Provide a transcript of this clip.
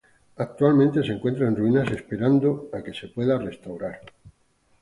Actualmente se encuentra en ruinas, esperando a que pueda ser restaurada.